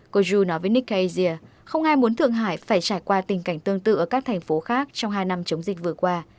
cô ju nói với nikkei asia không ai muốn thượng hải phải trải qua tình cảnh tương tự ở các thành phố khác trong hai năm chống dịch vừa qua